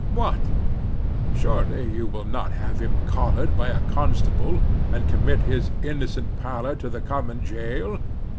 What! surely you will not have him collared by a constable, and commit his innocent pallor to the common jail?